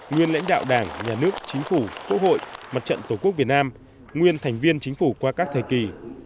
nguyên lãnh đạo đảng nhà nước chính phủ quốc hội mặt trận tổ quốc việt nam nguyên thành viên chính phủ qua các thời kỳ